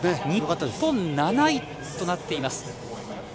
日本、７位となっています。